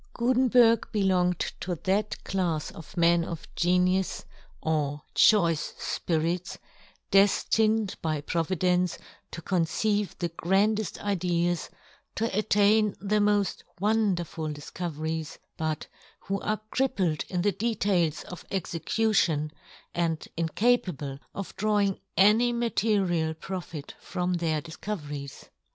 Gutenberg be longed to that clafs of men of genius, or choice fpirits, deftined by Provi dence to conceive the grandeft ideas, to attain the moft wonderful difco veries, but who are crippled in the details of execution, and incapable of drawing any material profit from their difcoveries.